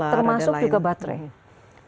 termasuk juga baterai